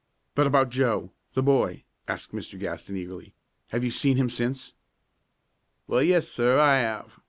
"But about Joe, the boy?" asked Mr. Gaston, eagerly. "Have you seen him since?" "Well, yes, sir, I 'ave.